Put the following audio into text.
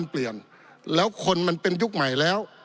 ปี๑เกณฑ์ทหารแสน๒